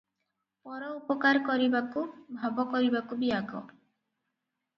ପର ଉପକାର କରିବାକୁ, ଭାବ କରିବାକୁ ବି ଆଗ ।